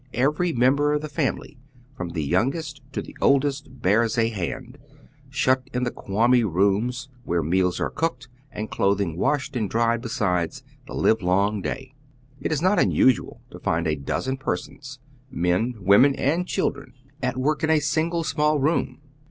Every member of the family, from the youngest to the oldest, bears a hand, shut in the qualmy rooms, where meals are cooked and clothing washed and dried besides, the live long day. It is not unusual to find a dozen persons — men, women, and children — at work in a single small room.